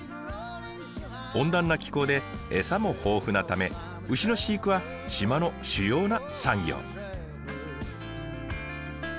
温暖な気候で餌も豊富なため牛の飼育は島の主要な産業。